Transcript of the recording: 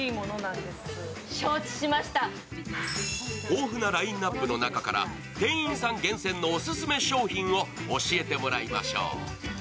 豊富なラインナップの中から店員さんオススメの商品を教えてもらいましょう。